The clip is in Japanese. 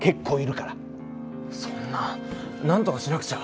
そんななんとかしなくちゃ！